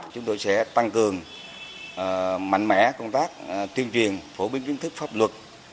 chúng tôi sẽ tăng cường mạnh mẽ công tác tuyên truyền phổ biến kiến thức pháp luật